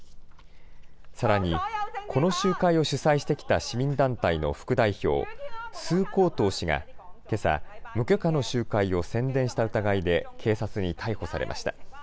さらに、この集会を主催してきた市民団体の副代表、鄒幸トウ氏がけさ、無許可の集会を宣伝した疑いで警察に逮捕されました。